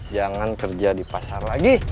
jangan kerja di pasar lagi